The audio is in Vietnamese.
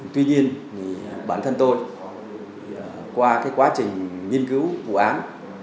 tuy nhiên bản thân tôi qua cái quá trình nghiên cứu vụ án